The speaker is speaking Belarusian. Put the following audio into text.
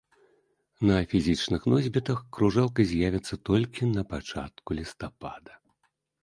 На фізічных носьбітах кружэлка з'явіцца толькі на пачатку лістапада.